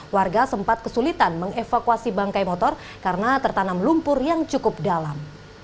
warga sempat kesulitan mengevakuasi bangkai motor karena tertanam lumpur yang cukup dalam